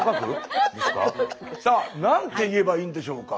さあ何て言えばいいんでしょうか？